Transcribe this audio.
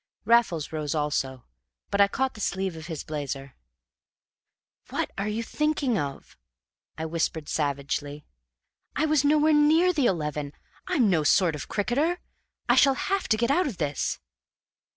Raffles rose also, but I caught the sleeve of his blazer. "What are you thinking of?" I whispered savagely. "I was nowhere near the eleven. I'm no sort of cricketer. I shall have to get out of this!"